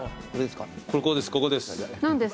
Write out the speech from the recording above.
ここです